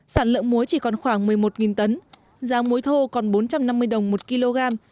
sản lượng muối chỉ còn khoảng một mươi một tấn giá muối thô còn bốn trăm năm mươi đồng một kg